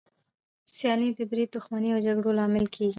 سیالي د بريد، دښمني او جګړو لامل کېږي.